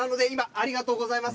ありがとうございます。